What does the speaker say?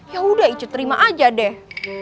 yaudah ice terima aja deh